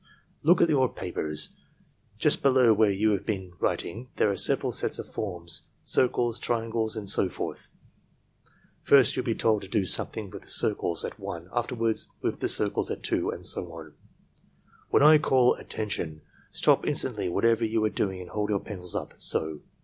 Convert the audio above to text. "Look at your papers. Just below where you have been writing, there are several sets of forms—circles, triangles, and so forth. First you will be told to do something with the circles at 1, afterwards with the circles at 2, and so on. "When I call 'Attention,' stop instantly whatever you are doing and hold your pencil up — so.